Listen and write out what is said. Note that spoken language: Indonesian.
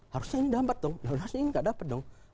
harusnya ini dapat dong harusnya ini tidak dapat dong